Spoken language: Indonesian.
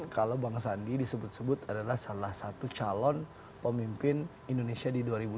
kalau bang sandi disebut sebut adalah salah satu calon pemimpin indonesia di dua ribu dua puluh